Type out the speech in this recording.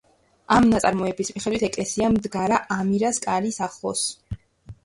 ამ ნაწარმოების მიხედვით, ეკლესია მდგარა ამირას კარის ახლოს.